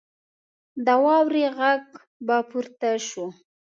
د واورې غږ به پورته شو.